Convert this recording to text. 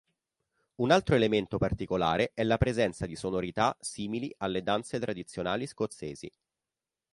Un altro elemento particolare è la presenza di sonorità simili alle danze tradizionali scozzesi.